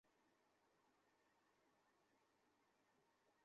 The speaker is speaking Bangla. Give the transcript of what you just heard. ভোটারদের অবশ্যই তাঁদের গণতান্ত্রিক অধিকার অবাধে চর্চার সুযোগ করে দিতে হবে।